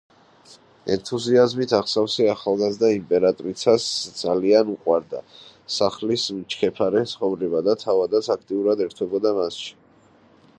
ენთუზიაზმით აღსავსე ახალგაზრდა იმპერატრიცას ძალიან უყვარდა სასახლის მჩქეფარე ცხოვრება და თავადაც აქტიურად ერთვებოდა მასში.